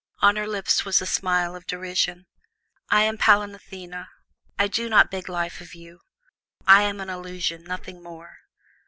On her lips was a smile of derision. "I am Pallas Athene. I do not beg life of you. I am an illusion, nothing more.